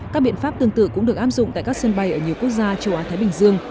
các biện pháp tương tự cũng được áp dụng tại các sân bay ở nhiều quốc gia châu á thái bình dương